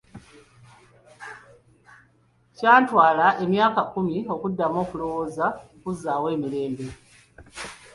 Kyatwala emyaka kkumi okuddamu okulowoza ku kuzzaawo emirembe